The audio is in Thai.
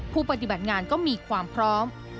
ผู้ปฏิบัติงานก็มีความพร้อม